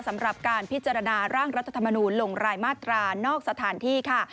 สำหรับการพิจารณาร่างรัฐธรรมนูลลงรายมาตรานอกสถานที่ค่ะ